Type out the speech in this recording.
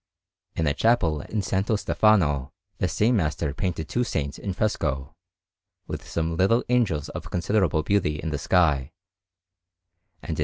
In a chapel in S. Stefano the same master painted two saints in fresco, with some little angels of considerable beauty in the sky; and in S.